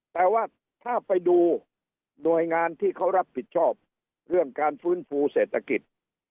แต่ว่าถ้าไปดูหน่วยงานที่เขารับผิดชอบเรื่องการฟื้นฟูเศรษฐกิจ